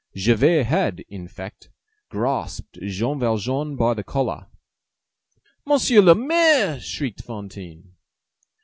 Javert had, in fact, grasped Jean Valjean by the collar. "Monsieur le Maire!" shrieked Fantine.